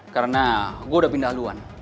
karena gue udah pindah haluan